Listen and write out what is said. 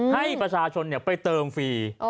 ให้ประชาชนไปเติมฟรี